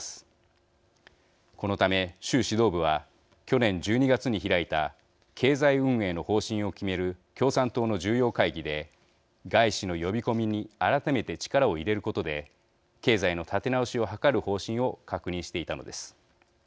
このため習指導部は去年１２月に開いた経済運営の方針を決める共産党の重要会議で外資の呼び込みに改めて力を入れることで経済の立て直しを図る方針を確認していたのです。